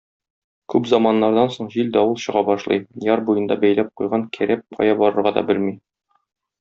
Күп заманнардан соң җил-давыл чыга башлый, яр буенда бәйләп куйган кәрәп кая барырга да белми.